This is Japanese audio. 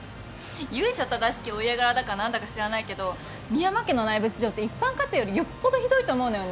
由緒正しきお家柄だか何だか知らないけど深山家の内部事情って一般家庭よりよっぽどひどいと思うのよね。